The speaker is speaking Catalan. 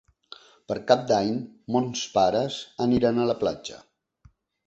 Per Cap d'Any mons pares aniran a la platja.